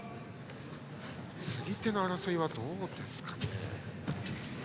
釣り手の争いはどうですかね。